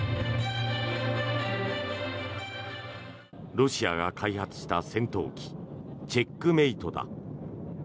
ロシアが開発した戦闘機チェックメイトだ。